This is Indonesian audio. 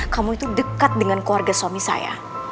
kamu itu dekat dengan keluarga suami saya